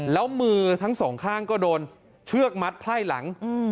แล้วมือทั้งสองข้างก็โดนเชือกมัดไพ่หลัง